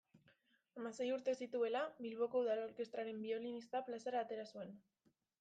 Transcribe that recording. Hamasei urte zituela, Bilboko Udal Orkestraren biolinista plaza atera zuen.